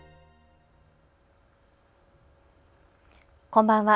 こんばんは。